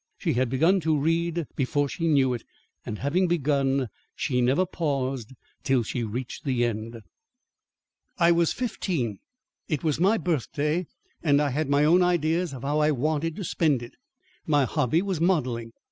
She had begun to read before she knew it, and having begun, she never paused till she reached the end. I was fifteen. It was my birthday and I had my own ideas of how I wanted to spend it. My hobby was modelling.